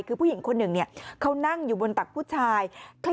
คือผู้หญิงคนหนึ่งเขานั่งอยู่บนตักผู้ชาย